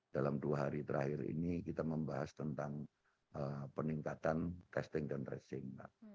dalam dua hari terakhir ini kita membahas tentang peningkatan testing dan tracing